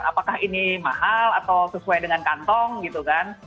apakah ini mahal atau sesuai dengan kantong gitu kan